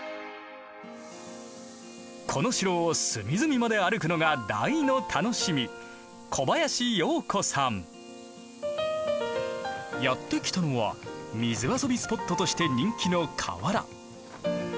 この城を隅々まで歩くのが大の楽しみやって来たのは水遊びスポットとして人気の河原。